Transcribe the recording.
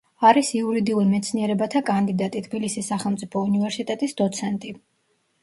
არის იურიდიულ მეცნიერებათა კანდიდატი, თბილისის სახელმწიფო უნივერსიტეტის დოცენტი.